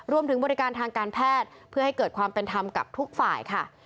รวมถึงบริการทางการแพทย์เพื่อให้เกิดความเป็นธรรมกับทุกฝ่ายค่ะ